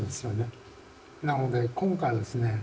なので今回はですね